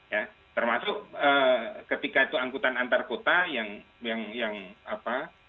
ya termasuk ketika itu angkutan antar kota yang apa